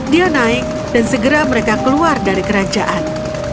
dia naik dan segera mereka keluar dari kerajaan